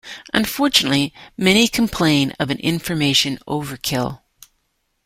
Unfortunately, many complain of an information overkill.